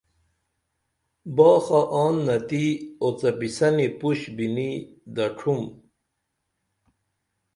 باخہ آن نتی اوڅپین یسنی پُش بِنی دڇُھم